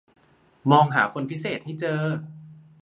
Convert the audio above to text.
มองหาคนพิเศษให้เจอ